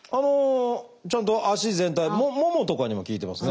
ちゃんと足全体ももとかにも効いてますね